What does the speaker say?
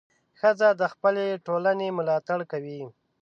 ښځه د خپلې ټولنې ملاتړ کوي.